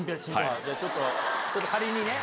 じゃあちょっと仮にね。